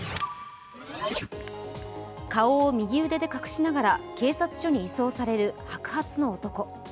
顔を右腕で隠しながら警察署に移送される白髪の男。